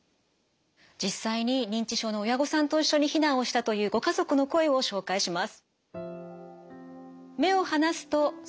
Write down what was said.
実際に認知症の親御さんと一緒に避難をしたというご家族の声を紹介します。